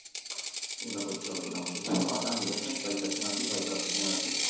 Udako hitzordu nagusietakoa da niretzat, bai pertsonalki bai profesionalki.